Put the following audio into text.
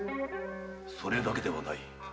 それだけではない。